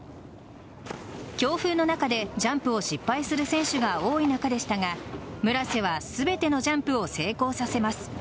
強風の中でジャンプを失敗する選手が多い中でしたが村瀬は全てのジャンプを成功させます。